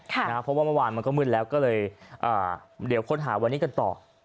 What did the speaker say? เพราะว่าเมื่อวานมันก็มืดแล้วก็เลยเดี๋ยวค้นหาวันนี้กันต่อ